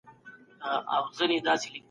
مغولو غوښتل چي د اسلام په اړه ډېر پوه سي.